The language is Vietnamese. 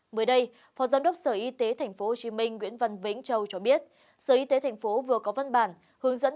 mới đây phó giám đốc sở y tế tp hcm nguyễn văn vĩnh châu cho biết sở y tế tp vừa có văn bản hướng dẫn